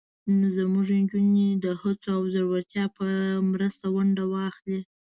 نن زموږ نجونې د هڅو او زړورتیا په مرسته ونډه واخلي.